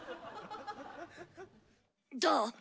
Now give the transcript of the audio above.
どう？